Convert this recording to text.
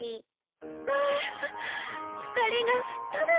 あ疲れが吹っ飛ぶわ。